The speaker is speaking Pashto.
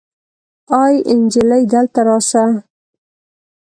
آې انجلۍ دلته راسه